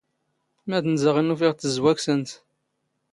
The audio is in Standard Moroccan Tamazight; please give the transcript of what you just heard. ⵎⴰⴷ ⵏⵏ ⵣⴰ ⵖⵉⵏⵏ ⵓⴼⵉⵖ ⴷ ⵜⵣⵣⵡⴰ ⴽⵙⴰⵏⵜ.